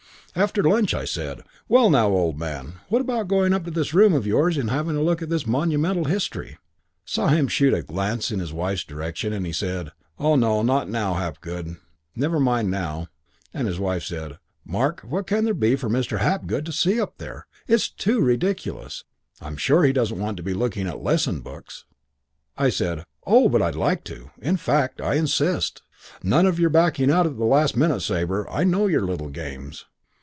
III "After lunch I said, 'Well, now, old man, what about going up to this room of yours and having a look at this monumental history?' Saw him shoot a glance in his wife's direction, and he said, 'Oh, no, not now, Hapgood. Never mind now.' And his wife said, 'Mark, what can there be for Mr. Hapgood to see up there? It's too ridiculous. I'm sure he doesn't want to be looking at lesson books.' "I said, 'Oh, but I'd like to. In fact, I insist. None of your backing out at the last minute, Sabre. I know your little games.'